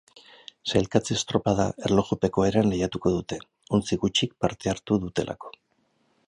Sailkatze-estropada erlojupeko eran lehiatu dute, ontzi gutxik parte hartu dutelako.